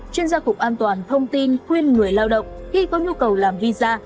chuyên gia cục an toàn thông tin khuyên người lao động khi có nhu cầu làm visa